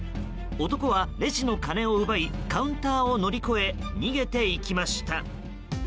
男はレジの金を奪いカウンターを乗り越え逃げていきました。